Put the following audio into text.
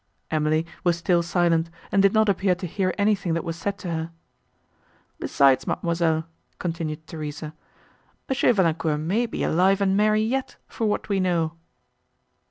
Emily was still silent, and did not appear to hear anything that was said to her. "Besides, mademoiselle," continued Theresa, "M. Valancourt may be alive and merry yet, for what we know."